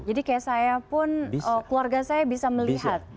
jadi kayak saya pun keluarga saya bisa melihat